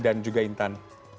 dan juga intan